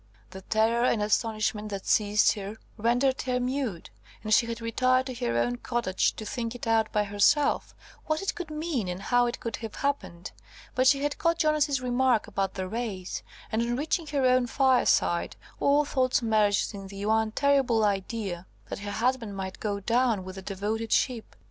The terror and astonishment that seized her rendered her mute, and she had retired to her own cottage to think it out by herself–what it could mean, and how it could have happened–but she had caught Jonas's remark about the "race," and on reaching her own fireside, all thoughts merged in the one terrible idea that her husband might go down with the devoted ship.